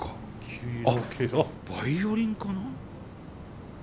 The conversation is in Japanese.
あっバイオリンかな？